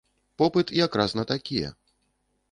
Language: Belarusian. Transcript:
Попыт якраз на такія.